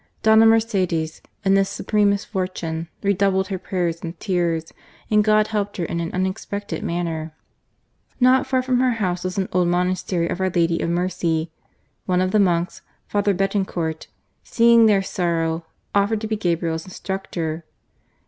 Dona Mercedes, in this supreme misfortune, redoubled her prayers and tears, and God helped her in an unexpected manner. Not far from her house was an old monastery of Our Lady of Mercy. One of the monks, P. Betancourt, seeing the sorrow of both mother and child, offered to be his instructor.